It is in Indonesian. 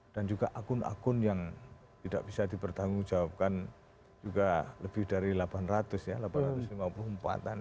dan juga akun akun yang tidak bisa dipertanggung jawabkan juga lebih dari delapan ratus ya delapan ratus lima puluh empat an